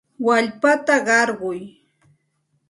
Wallpata qarquy.